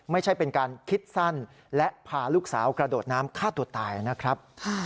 ไม่ใช่เป็นการคิดสั้นและพาลูกสาวกระโดดน้ำฆ่าตัวตายนะครับ